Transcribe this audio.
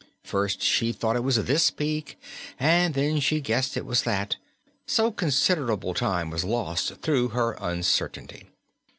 First she thought it was this peak, and then she guessed it was that; so considerable time was lost through her uncertainty.